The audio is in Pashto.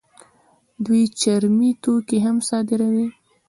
دوی چرمي توکي هم صادروي.